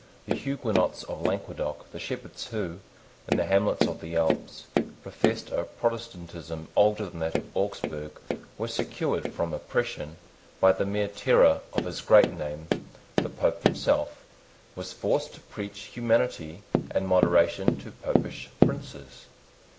The Huguenots of Languedoc, the shepherds who, in the hamlets of the Alps professed a Protestantism older than that of Augsburg, were secured from oppression by the mere terror of his great name The Pope himself was forced to preach humanity and moderation to Popish princes.